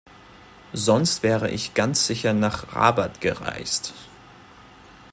Sonst wäre ich ganz sicher nach Rabat gereist.